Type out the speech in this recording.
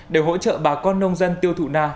để hỗ trợ bà con nông dân tiêu thụ na